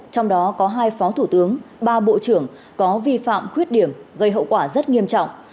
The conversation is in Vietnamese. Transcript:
trong đó có hai phó thủ tướng ba bộ trưởng có vi phạm khuyết điểm gây hậu quả rất nghiêm trọng